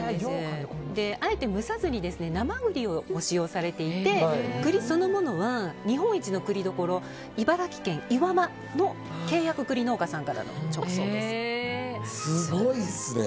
あえて蒸さずに生栗をご使用されていて栗そのものは日本一の栗どころ茨城県岩間の契約栗農家さんからのすごいですね。